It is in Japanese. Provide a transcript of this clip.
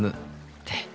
って